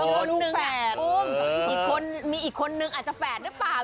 คนหนึ่งอ้อมมีอีกคนนึงอาจจะแฝดหรือเปล่า